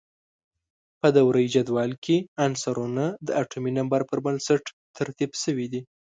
په دوره یي جدول کې عنصرونه د اتومي نمبر پر بنسټ ترتیب شوي دي.